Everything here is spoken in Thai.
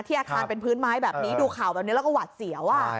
อาคารเป็นพื้นไม้แบบนี้ดูข่าวแบบนี้แล้วก็หวัดเสียว